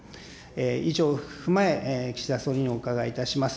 以上を踏まえ、岸田総理にお伺いいたします。